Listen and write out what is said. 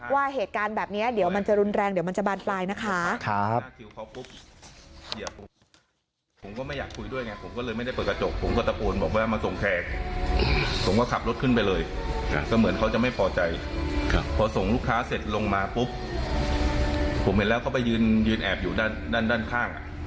ว่าเหตุการณ์แบบนี้เดี๋ยวมันจะรุนแรงเดี๋ยวมันจะบานปลายนะคะ